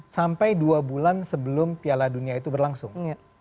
sampai dua bulan sebelum piala dunia itu berlangsung